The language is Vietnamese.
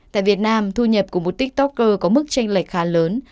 tại việt nam thu nhập của một tiktoker có mức tranh lệch khá lớn